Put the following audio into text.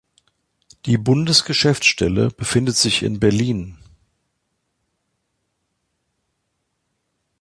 Die Bundesgeschäftsstelle befindet sich in Berlin.